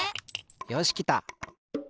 よしきた。